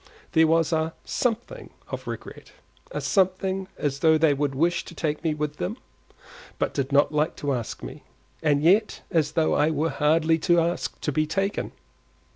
There was a something of regret, a something as though they would wish to take me with them, but did not like to ask me, and yet as though I were hardly to ask to be taken.